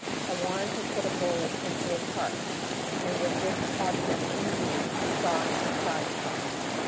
I wanted to put a bullet into his heart, and with this object in view, sought a side shot.